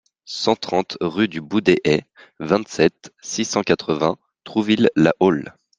cent trente rue du Bout des Hayes, vingt-sept, six cent quatre-vingts, Trouville-la-Haule